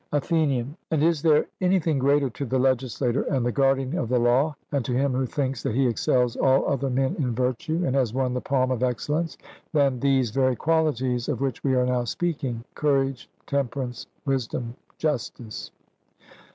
ATHENIAN: And is there anything greater to the legislator and the guardian of the law, and to him who thinks that he excels all other men in virtue, and has won the palm of excellence, than these very qualities of which we are now speaking courage, temperance, wisdom, justice?